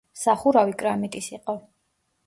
სახურავი კრამიტის იყო.